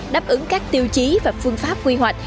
đáp ứng các tiêu chí và phương pháp quy hoạch